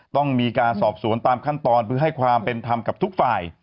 ต้องมีการสอบสวนตามขั้นตอนเพื่อให้ความเป็นธรรมกับทุกฝ่าย